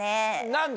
何で？